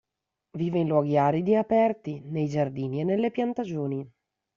Vive in luoghi aridi e aperti, nei giardini e nelle piantagioni.